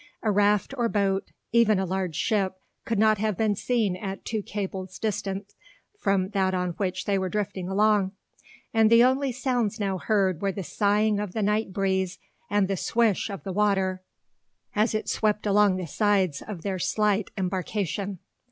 A raft or boat, even a large ship, could not have been seen at two cables' distance from that on which they were drifting along; and the only sounds now heard were the sighing of the night breeze, and the "swish" of the water as it swept along the sides of their slight embarkation.